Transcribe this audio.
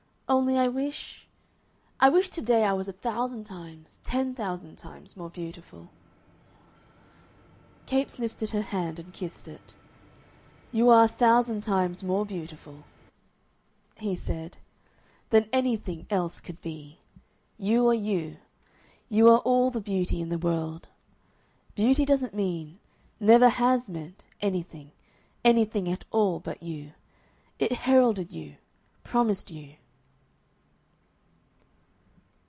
Only I wish I wish to day I was a thousand times, ten thousand times more beautiful." Capes lifted her hand and kissed it. "You are a thousand times more beautiful," he said, "than anything else could be.... You are you. You are all the beauty in the world. Beauty doesn't mean, never has meant, anything anything at all but you. It heralded you, promised you...."